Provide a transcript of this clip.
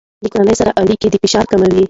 له کورنۍ سره اړیکه د فشار کموي.